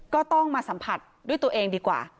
ก็ต้องมาสัมผัสด้วยตัวเองดีกว่า